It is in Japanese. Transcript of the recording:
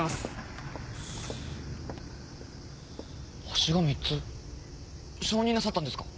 星が３つ昇任なさったんですか？